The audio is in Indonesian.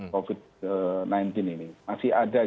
covid sembilan belas ini masih ada